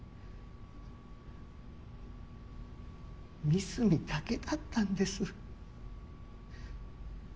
三隅だけだったんです。